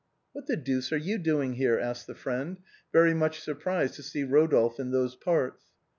" What the deuce are you doing here ?" asked the friend, very much surprised to see Eodolphe in those parts.